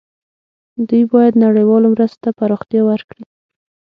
دوی باید نړیوالو مرستو ته پراختیا ورکړي.